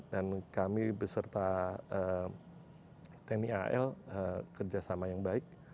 dan kami beserta tni al kerjasama yang baik